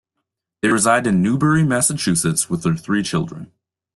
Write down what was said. They reside in Newbury, Massachusetts with their three children.